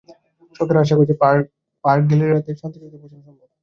সরকার আশা করছে, ফার্ক গেরিলাদের সঙ্গে নভেম্বরের মধ্যে শান্তিচুক্তিতে পৌঁছানো সম্ভব হবে।